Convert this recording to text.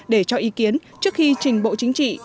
để cho ý kiến trước khi trình bộ chính trị